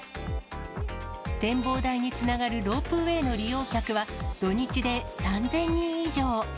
展望台につながるロープウエーの利用客は、土日で３０００人以上。